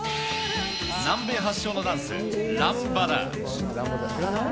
南米発祥のダンス、ランバダ。